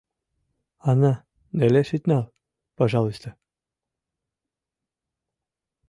— Анна нелеш ит нал, пожалуйста.